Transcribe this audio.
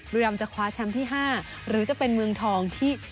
เรียมจะคว้าแชมป์ที่๕หรือจะเป็นเมืองทองที่